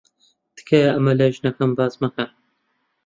تکایە ئەمە لای ژنەکەم باس مەکەن.